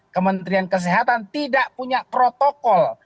kementerian kesehatan tidak punya protokol